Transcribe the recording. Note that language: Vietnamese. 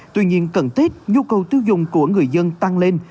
tuy nhiên cần thiết nhu cầu tiêu dùng của người dân tăng lên